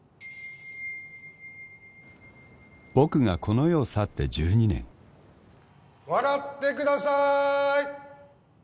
僕がこの世を去って１２年笑ってくださーい